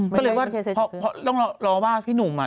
เขาต้องรอว่าพี่หนุ่ม